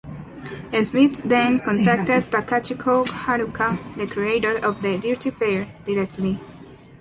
Smith then contacted Takachiho Haruka, the creator of the "Dirty Pair", directly.